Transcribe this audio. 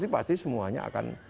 pasti semuanya akan